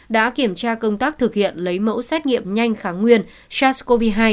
đã kiểm tra công tác thực hiện lấy mẫu xét nghiệm nhanh kháng nguyên sars cov hai